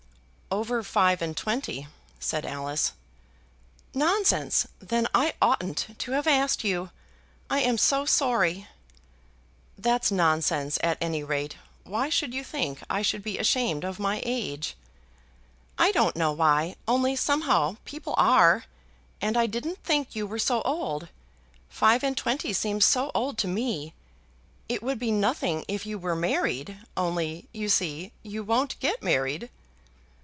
"Over five and twenty," said Alice. "Nonsense; then I oughtn't to have asked you. I am so sorry." "That's nonsense at any rate. Why should you think I should be ashamed of my age?" "I don't know why, only somehow, people are; and I didn't think you were so old. Five and twenty seems so old to me. It would be nothing if you were married; only, you see, you won't get married."